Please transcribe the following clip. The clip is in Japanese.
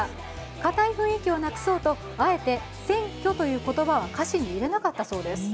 堅い雰囲気をなくそうとあえて選挙という言葉は歌詞に入れなかったそうです。